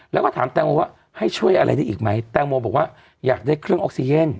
แล้วก็ถามแตงโมว่าให้ช่วยอะไรได้อีกไหมแตงโมบอกว่าอยากได้เครื่องออกซิเจน